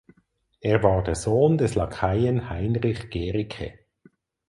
Er war der Sohn des Lakaien Heinrich Gericke.